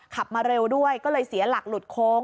ขับมาเร็วด้วยก็เลยเสียหลักหลุดโค้ง